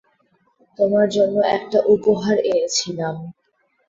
তোমার জন্য একটা উপহার এনেছিলাম।